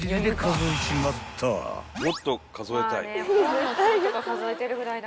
「もっと数えたい」